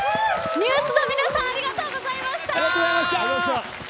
ＮＥＷＳの皆さんありがとうございました。